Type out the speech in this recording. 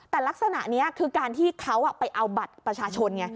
แต่ลักษณะนี้คือการที่เขาไปเอาบัตรประชาชนไง